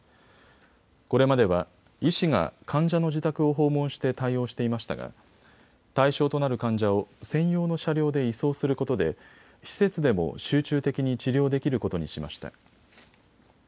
これまでは医師が患者の自宅を訪問して対応していましたが対象となる患者を専用の車両で移送することで施設でも集中的に治療できることにしました。